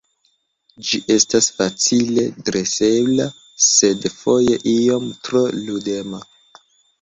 Ĝi estas facile dresebla, sed foje iom tro ludema.